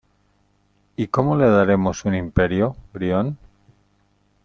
¿ y cómo le daremos un Imperio, Brión?